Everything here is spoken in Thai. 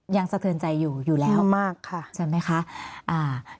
ยังสะเทินใจอยู่อยู่แล้วใช่ไหมคะค่ะค่ะมากค่ะ